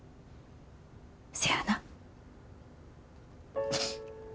せやな。